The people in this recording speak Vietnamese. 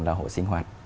là hộ sinh hoạt